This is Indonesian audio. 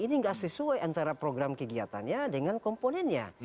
ini nggak sesuai antara program kegiatannya dengan komponennya